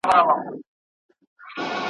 زما لپاره همدا پاچاهي ده